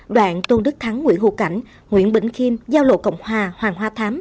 đoạn tôn đức thắng nguyễn hồ cảnh nguyễn bỉnh kim giao lộ cộng hòa hoàng hoa thám